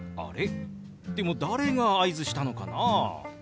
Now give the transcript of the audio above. でも誰が合図したのかな？